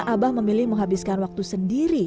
abah memilih menghabiskan waktu sendiri